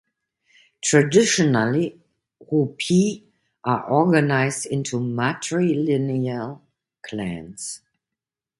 Traditionally, Hopi are organized into matrilineal clans.